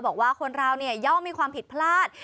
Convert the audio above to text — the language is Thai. บอกว่าคนเราเนี่ยย่อมมีความผิดพลาด